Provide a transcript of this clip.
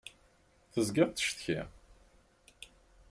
Tezgiḍ tettcetkiḍ.